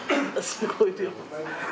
すごい量。